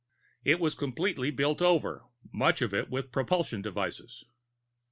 It was completely built over, much of it with its propulsion devices.